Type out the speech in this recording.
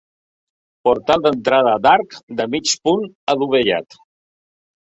Portal d'entrada d'arc de mig punt adovellat.